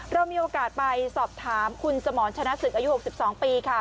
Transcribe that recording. เรามีโอกาสไปสอบถามคุณสมรชนะศึกอายุ๖๒ปีค่ะ